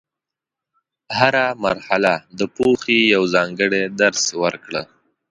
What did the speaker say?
هره مرحله د پوهې یو ځانګړی درس ورکړه.